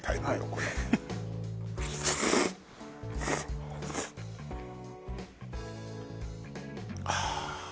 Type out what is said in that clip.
これああ